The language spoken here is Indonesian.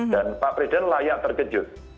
dan pak presiden layak terkejut